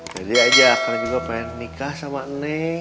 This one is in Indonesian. jadi aja kalian juga mau nikah sama neng